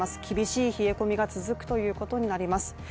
厳しい冷え込みが続くということになります